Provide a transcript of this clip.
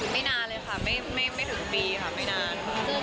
ไม่นานเลยค่ะไม่ถึงปีค่ะไม่นาน